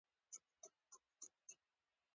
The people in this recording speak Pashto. چي راکړل سوئ ایمان را څخه ولاړ نسي ،